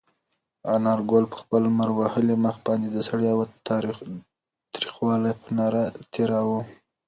انارګل په خپل لمر وهلي مخ باندې د سړې هوا تریخوالی په نره تېراوه.